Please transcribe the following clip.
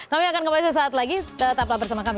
kami akan kembali sesaat lagi tetaplah bersama kami